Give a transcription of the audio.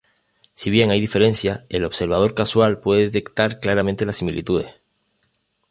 Si bien hay diferencias, el observador casual puede detectar claramente las similitudes.